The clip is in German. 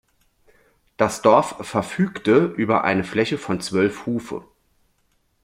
Das Dorf verfügte über eine Fläche von zwölf Hufe.